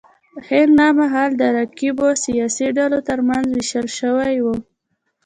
هند دا مهال د رقیبو سیاسي ډلو ترمنځ وېشل شوی و.